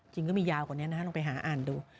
จริงก็มียาวกว่านี้นะฮะลองไปหาอ่านดู